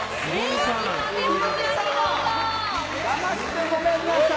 騙して、ごめんなさい。